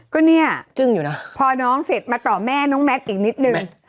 ก็เนี่ยจึงอยู่นะพอน้องเสร็จมาต่อแม่น้องแมทอีกนิดนึง